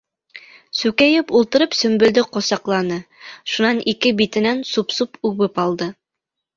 Сүкәйеп ултырып Сөмбөлдө ҡосаҡланы, шунан ике битенән суп-суп үбеп алды.